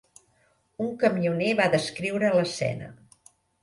Un camioner va descriure l'escena.